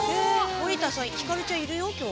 森田さんひかるちゃんいるよ今日。